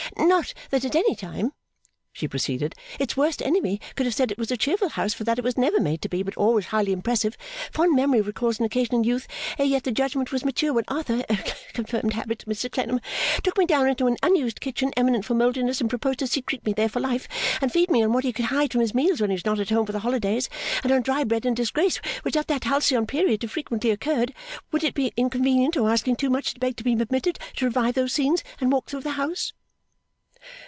'Not that at any time,' she proceeded, 'its worst enemy could have said it was a cheerful house for that it was never made to be but always highly impressive, fond memory recalls an occasion in youth ere yet the judgment was mature when Arthur confirmed habit Mr Clennam took me down into an unused kitchen eminent for mouldiness and proposed to secrete me there for life and feed me on what he could hide from his meals when he was not at home for the holidays and on dry bread in disgrace which at that halcyon period too frequently occurred, would it be inconvenient or asking too much to beg to be permitted to revive those scenes and walk through the house?